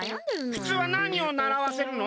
ふつうはなにをならわせるの？